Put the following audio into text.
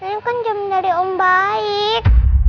saya kan jam dari om baik